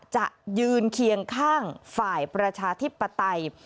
จะยืนเคียงข้างฝ่ายประชาธิปไตย